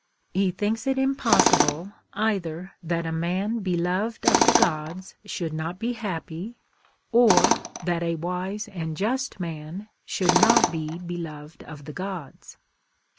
He thinks it impossible either that a man beloved of tlie gods should not be happy, or that a wise and just man should not be beloved of tlie gods.